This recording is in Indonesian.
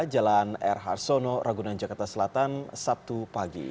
jalan r harsono ragunan jakarta selatan sabtu pagi